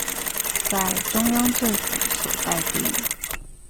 在中央政府所在地